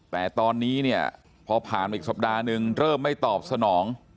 แต่ตอนนี้เนี่ยพอผ่านมาอีกสัปดาห์นึงเริ่มไม่ตอบสนอง